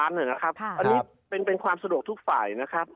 อันนี้เป็นความสะดวกทุกฝ่ายนะครับ